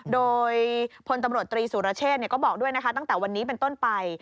โดยพลตำรวจตรีสุรเชษฐ์ก็บอกด้วยนะคะตั้งแต่วันนี้เป็นต้นไป